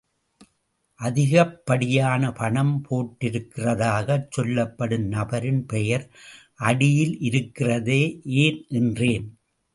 அதிகப்படியான பணம் போட்டிருக்கிறதாகச் சொல்லப்படும் நபரின் பெயர் அடியில் இருக்கிறதே ஏன்? என்றேன்.